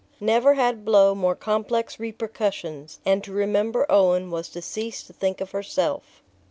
Never had blow more complex repercussions; and to remember Owen was to cease to think of herself.